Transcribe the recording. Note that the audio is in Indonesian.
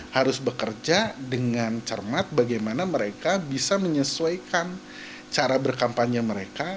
harus bekerja dengan cermat bagaimana mereka bisa menyesuaikan cara berkampanye mereka